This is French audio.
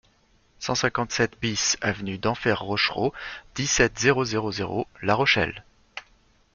cent cinquante-sept BIS avenue DENFERT ROCHEREAU, dix-sept, zéro zéro zéro, La Rochelle